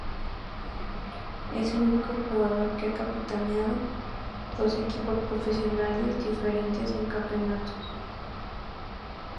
Es el único jugador que ha capitaneado dos equipos profesionales diferentes en campeonatos.